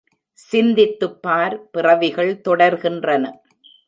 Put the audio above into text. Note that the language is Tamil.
சிந்தித்துப்பார் பிறவிகள் தொடர் கின்றன.